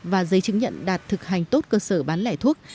và giấy chứng nhận đạt thực hành tốt cơ sở bán lẻ thuốc